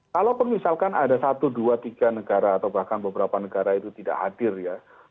kalaupun misalkan ada satu dua tiga negara atau bahkan beberapa negara itu tidak hadir ya